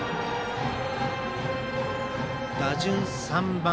打順、３番。